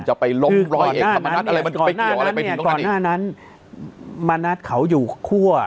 จะไปล่มรอยเหตุท่ามนัดอะไรมันมันน่านั้นเนี้ยมันนะทเขาอยู่คั่ว